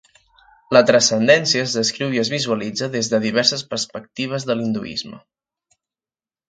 La transcendència es descriu i es visualitza des de diverses perspectives de l'hinduisme.